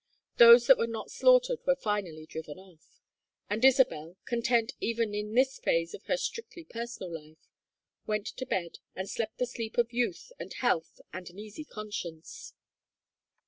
Those that were not slaughtered were finally driven off, and Isabel, content even in this phase of her strictly personal life, went to bed and slept the sleep of youth and health and an easy conscience.